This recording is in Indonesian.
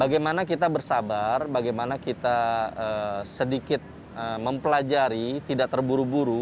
bagaimana kita bersabar bagaimana kita sedikit mempelajari tidak terburu buru